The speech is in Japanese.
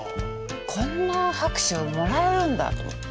こんな拍手もらえるんだと思って。